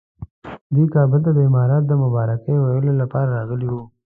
دوی کابل ته د امارت د مبارکۍ ویلو لپاره راغلي وو.